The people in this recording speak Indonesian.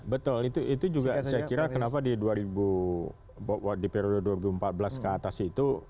betul itu juga saya kira kenapa di periode dua ribu empat belas ke atas itu